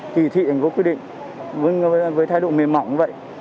kỳ thị thành phố quy định với thái độ mềm mỏng như vậy